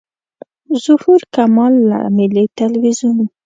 ظهور کمال له ملي تلویزیون.